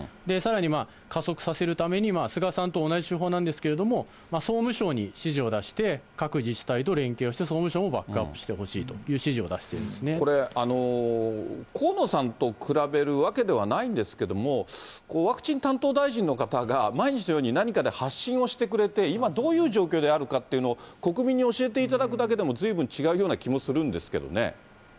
さらに加速させるために、菅さんと同じ手法なんですけども、総務省に指示を出して、各自治体と連携をして、総務省もバックアップしてほしいという指示を出していこれ、河野さんと比べるわけではないんですけども、ワクチン担当大臣の方が、毎日のように何かで発信をしてくれて、今どういう状況であるかっていうのを国民に教えていただくだけでもずいぶん違うような気もするんですけどもね。